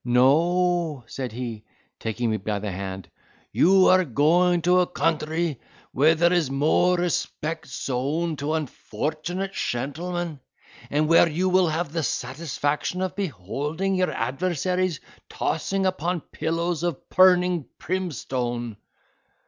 "No," said he, taking me by the hand, "you are going to a country where there is more respect sown to unfortunate shentlemen, and where you will have the satisfaction of peholding your adversaries tossing upon pillows of purning primstone."